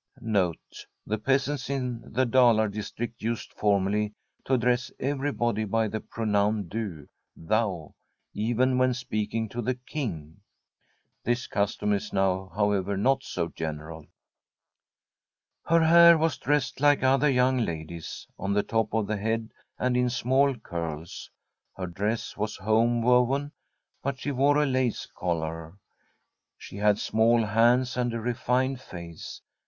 * Her hair ♦ The peasants in the Dalar district used formerly to address cveiybody by the pronoan du (then), even when speaking to the King ; this custom is now, however, not so general. — ^I.B. Tbi STORY of a COUNTRY HOUSE was dressed like other young ladies', on the top of the head and in small curls. Her dress was home woven, but she wore a lace collar. She had small hands and a refined face.